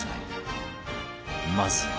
まずは